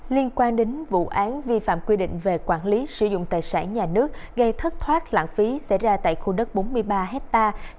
liên quan đến vụ án vi phạm quy định về quản lý sử dụng tài sản nhà nước gây thất thoát lãng phí xảy ra tại khu đất bốn mươi ba hectare